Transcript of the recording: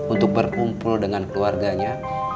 untuk berkumpul dengan keluarganya